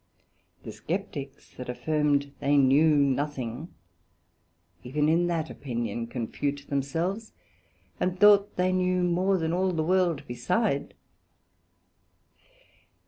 The Scepticks that affirmed they knew nothing, even in that opinion confute themselves, and thought they knew more than all the World beside.